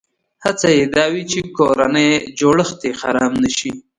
هڅه یې دا وي چې کورنی جوړښت یې خراب نه شي.